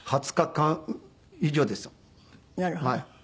２０日間以上ですよ。